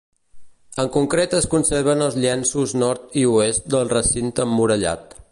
En concret es conserven els llenços nord i oest del recinte emmurallat.